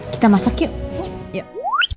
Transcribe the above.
kita masak yuk